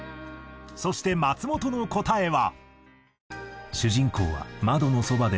そして松本の答えは。